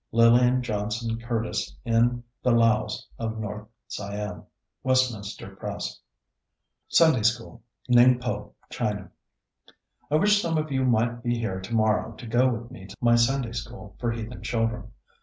(Lillian Johnson Curtis in "The Laos of North Siam," Westminster Press.) SUNDAY SCHOOL NINGPO, CHINA I wish some of you might be here tomorrow to go with me to my Sunday School for heathen children.